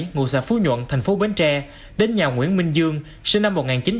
ngụ xã phú nhuận thành phố bến tre đến nhà nguyễn minh dương sinh năm một nghìn chín trăm tám mươi